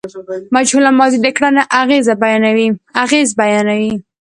مجهوله ماضي د کړني اغېز بیانوي.